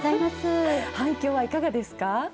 反響はいかがですか？